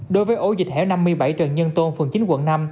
đối với ổ dịch hẻo năm mươi bảy trần nhân tôn phường chín quận năm